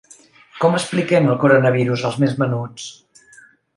Com expliquem el coronavirus als més menuts?